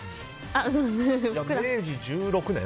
明治１６年？